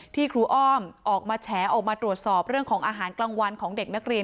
ครูอ้อมออกมาแฉออกมาตรวจสอบเรื่องของอาหารกลางวันของเด็กนักเรียน